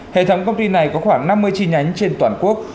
hệ thống công ty này có khoảng năm mươi chi nhánh trên toàn quốc